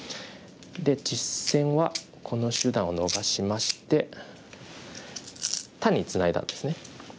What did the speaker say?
で実戦はこの手段を逃しまして単にツナいだんですね。